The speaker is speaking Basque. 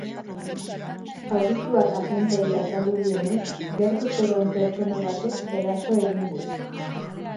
Zaurituak agenteei azaldu dienez, gertu zegoen pertsona batek eraso egin dio.